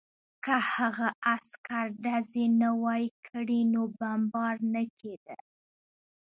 که هغه عسکر ډزې نه وای کړې نو بمبار نه کېده